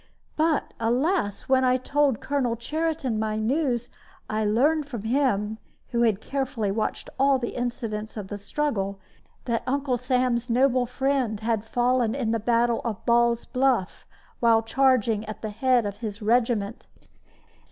But, alas! when I told Colonel Cheriton my news, I learned from him (who had carefully watched all the incidents of the struggle) that Uncle Sam's noble friend had fallen in the battle of Ball's Bluff, while charging at the head of his regiment.